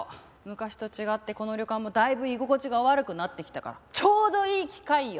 昔と違ってこの旅館もだいぶ居心地が悪くなってきたからちょうどいい機会よ。